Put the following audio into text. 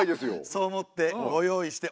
そう思ってご用意しております。